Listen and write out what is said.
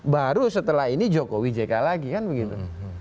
baru setelah ini jokowi jk lagi kan begitu